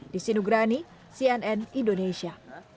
di sinugrani cnn indonesia